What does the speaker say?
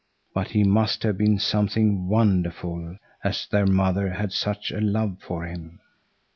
But he must have been something wonderful, as their mother had such a love for him.